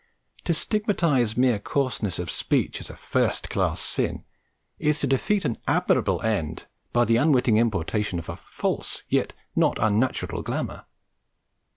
To stigmatise mere coarseness of speech as a first class sin is to defeat an admirable end by the unwitting importation of a false yet not unnatural glamour.